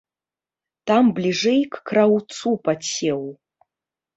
Там бліжэй к краўцу падсеў.